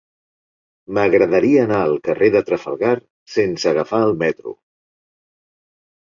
M'agradaria anar al carrer de Trafalgar sense agafar el metro.